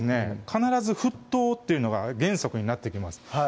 必ず沸騰っていうのが原則になってきます